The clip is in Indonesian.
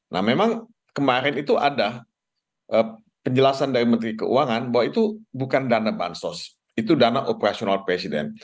nah memang kemarin itu ada penjelasan dari menteri keuangan bahwa itu bukan dana bansos itu dana operasional presiden